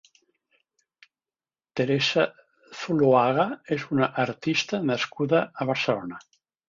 Teresa Zuluaga és una artista nascuda a Barcelona.